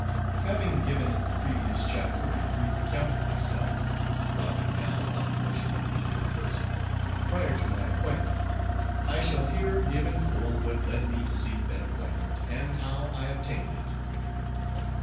HAVING given in the previous chapter a brief account of myself dropping now, by permission, the third person prior to my appointment, I shall here give in full what led me to seek that appointment, and how I obtained it.